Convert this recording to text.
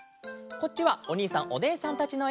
こっちはおにいさんおねえさんたちのえ。